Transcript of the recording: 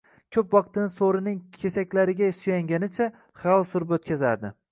Koʻp vaqtini soʻrining kesakilariga suyanganicha, xayol surib oʻtkazardi.